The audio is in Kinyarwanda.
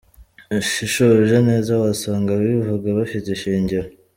Ushishoje neza wasanga ababivuga bafite ishingiro.